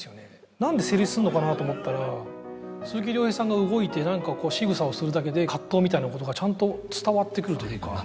なんで成立すんのかなと思ったら鈴木亮平さんが動いて何かしぐさをするだけで葛藤みたいなことがちゃんと伝わってくるというか